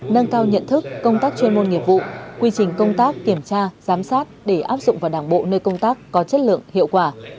nâng cao nhận thức công tác chuyên môn nghiệp vụ quy trình công tác kiểm tra giám sát để áp dụng vào đảng bộ nơi công tác có chất lượng hiệu quả